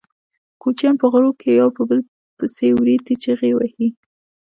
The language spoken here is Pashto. کوچیان په غرونو کې یو په بل پسې وریتې چیغې وهي.